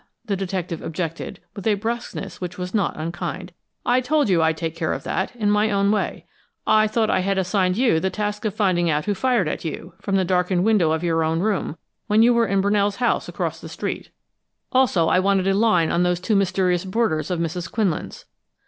the detective objected, with a brusqueness which was not unkind. "I told you I'd take care of that, in my own way. I thought I assigned you to the task of finding out who fired at you, from the darkened window of your own room, when you were in Brunell's house across the street; also I wanted a line on those two mysterious boarders of Mrs. Quinlan's."